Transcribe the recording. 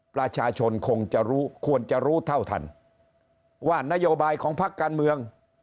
ประชาชนควรจะรู้เท่าทันว่านโยบายของภักดิ์การเมือง